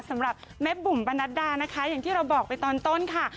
สำหรับแม่บุ๋มปะนัดดานะคะอย่างที่เราบอกไปตอนต้นค่ะ